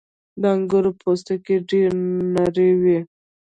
• د انګورو پوستکی ډېر نری وي.